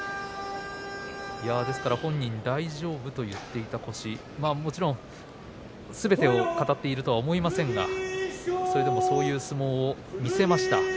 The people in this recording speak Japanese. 本人大丈夫と言っていた腰もちろんすべてを語っているとは思いませんがそれでもそういう相撲を見せました。